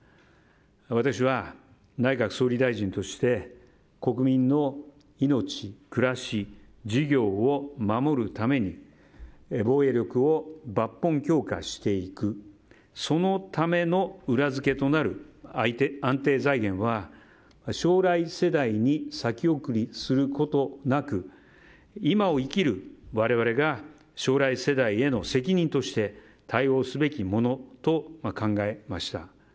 私は、内閣総理大臣として国民の命、暮らし、事業を守るために防衛力を抜本強化していくそのための裏付けとなる安定財源は将来世代に先送りすることなく今を生きる我々が将来世代への責任として対応すべきものと考えました。